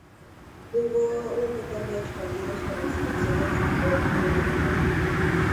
Jugó un total de ocho partidos con la selección de fútbol de Dinamarca.